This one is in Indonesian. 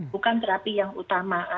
bukan terapi yang utama